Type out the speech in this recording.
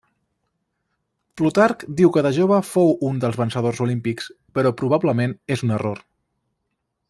Plutarc diu que de jove fou un dels vencedors olímpics, però probablement és un error.